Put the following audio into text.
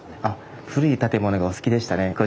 あっ古い建物がお好きでしたね。